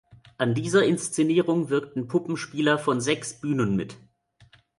An dieser Inszenierung wirkten Puppenspieler von sechs Bühnen mit.